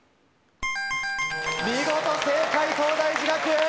見事正解東大寺学園。